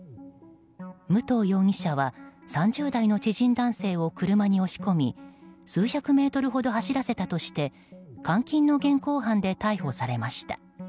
武藤容疑者は３０代の知人男性を車に押し込み数百メートルほど走らせたとして監禁の現行犯で逮捕されました。